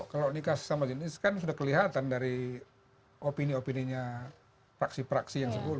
kalau nikah sesama jenis kan sudah kelihatan dari opini opininya praksi praksi yang sepuluh